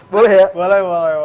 boleh boleh boleh